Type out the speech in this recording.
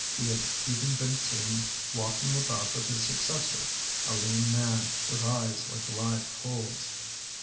He had even been seen walking about with his successor, a lean man, with eyes like live coals.